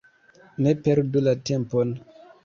Ne perdu la tempon!